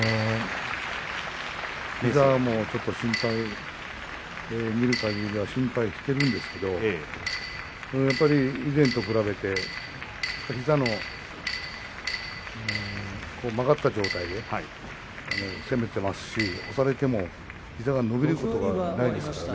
膝もちょっと見るかぎりでは心配してるんですけどやっぱり以前と比べて膝の曲がった状態で攻めてますし、押されても膝が伸びることがないですからね。